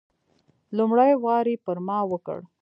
لومړی وار یې پر ما وکړ.